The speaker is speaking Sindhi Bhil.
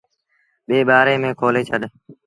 ٻي ٻآري ميݩ کولي ڇڏ۔